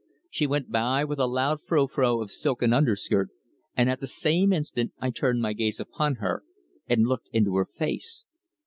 She went by with a loud frou frou of silken underskirt, and at that same instant I turned my gaze upon her and looked into her face.